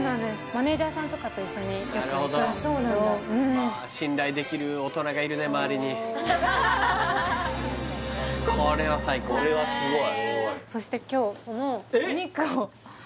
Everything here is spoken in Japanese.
マネージャーさんとかと一緒によく行くんですけどなるほど信頼できる大人がいるね周りにこれは最高これはすごいそして今日そのお肉をえっ！？